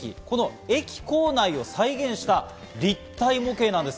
駅構内を再現した立体模型です。